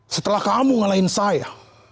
setelah kamu ngalahin saya